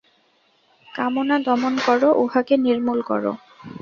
কামনা দমন কর, উহাকে নির্মূল কর।